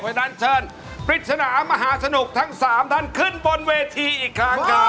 เพราะฉะนั้นเชิญปริศนามหาสนุกทั้ง๓ท่านขึ้นบนเวทีอีกครั้งครับ